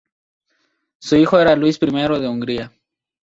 Su hijo era Luis I de Hungría.